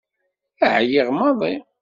Ԑyiɣ maḍi.